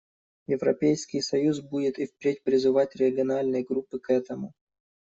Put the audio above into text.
Европейский союз будет и впредь призывать региональные группы к этому.